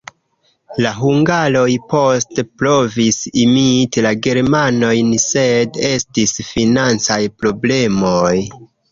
La hungaroj poste provis imiti la germanojn, sed estis financaj problemoj.